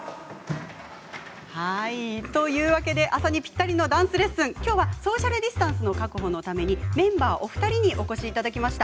朝にぴったりのダンスレッスン、きょうはソーシャルディスタンスの確保のためにメンバーお二人にお越しいただきました。